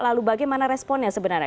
lalu bagaimana responnya